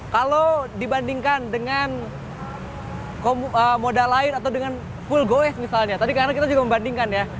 kalau dibandingkan dengan modal lain atau dengan full goes misalnya tadi karena kita juga membandingkan ya